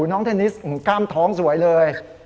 น้องเทนนิสกล้ามท้องสวยเลย